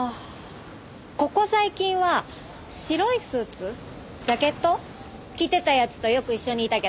ここ最近は白いスーツジャケット着てた奴とよく一緒にいたけど。